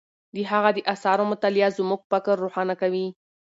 د هغه د آثارو مطالعه زموږ فکر روښانه کوي.